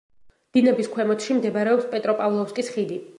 დინების ქვემოთში მდებარეობს პეტროპავლოვსკის ხიდი.